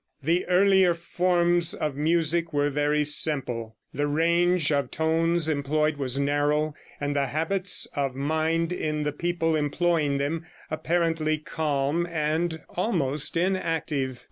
The earlier forms of music were very simple; the range of tones employed was narrow, and the habits of mind in the people employing them apparently calm and almost inactive.